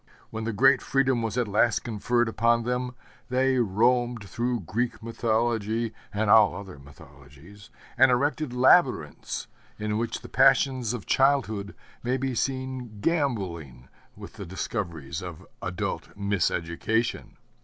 When the great freedom was at last conferred upon them, they roamed through Greek mythology, and all other mythologies, and erected labyrinths in which the passions of childhood may be seen gamboling with the discoveries of adult miseducation.